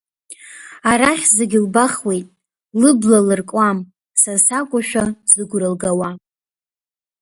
Арахь зегь лбахуеит, лыбла алыркуам, сасакәушәа зыгәра лгауа!